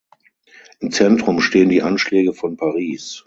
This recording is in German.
Im Zentrum stehen die Anschläge von Paris.